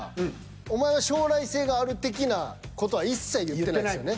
お前は将来性がある的な事は一切言ってないんですよね。